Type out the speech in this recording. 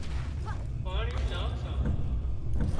پاڻي لان سان